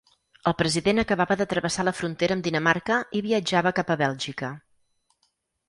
El president acabava de travessar la frontera amb Dinamarca i viatjava cap a Bèlgica.